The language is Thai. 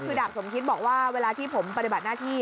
คือดาบสมคิดบอกว่าเวลาที่ผมปฏิบัติหน้าที่